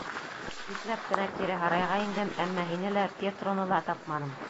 Ипләп кенә кире һарайға индем, әммә һине лә, Пьетроны ла тапманым.